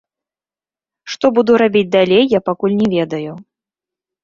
Што буду рабіць далей, я пакуль не ведаю.